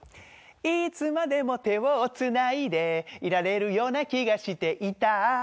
「いつまでも手をつないでいられるような気がしていた」